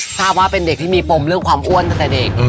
ทราบว่าเป็นเด็กที่มีปมเรื่องความอ้วนตั้งแต่เด็ก